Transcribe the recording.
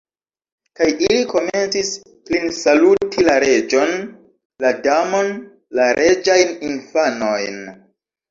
Kaj ili komencis klinsaluti la Reĝon, la Damon, la reĝajn infanojn.